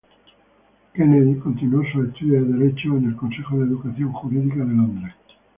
Kennedy continuó sus estudios de derecho en el Consejo de Educación Jurídica de Londres.